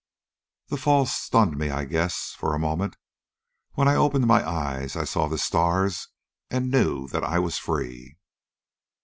"The fall stunned me, I guess, for a moment. When I opened my eyes, I saw the stars and knew that I was free.